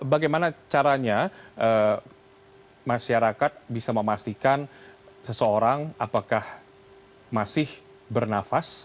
bagaimana caranya masyarakat bisa memastikan seseorang apakah masih bernafas